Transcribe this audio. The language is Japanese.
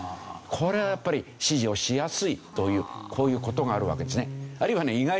これはやっぱり指示をしやすいというこういう事があるわけですね。